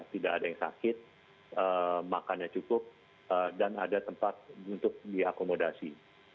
tidak ada yang sakit makannya cukup dan ada tempat untuk diakomodasi